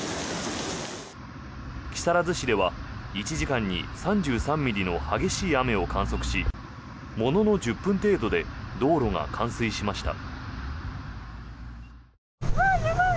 木更津市では１時間に３３ミリの激しい雨を観測しものの１０分程度で道路が冠水しました。